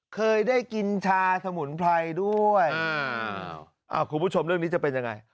เคยได้กินชาสมุนไพรด้วยคุณผู้ชมเรื่องนี้จะเป็นยังไง